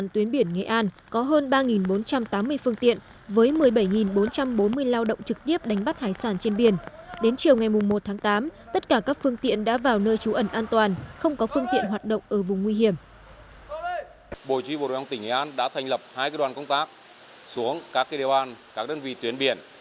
trên địa bàn tuyến biển nghệ an có hơn ba bốn trăm tám mươi phương tiện với một mươi bảy bốn trăm bốn mươi lao động trực tiếp đánh bắt hải sản trên biển